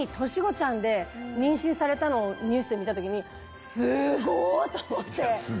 そのあとに年子ちゃんで、妊娠されたのをニュースで見たときに、すごーと思って。